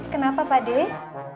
kenapa pak deh